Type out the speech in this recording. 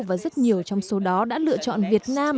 và rất nhiều trong số đó đã lựa chọn việt nam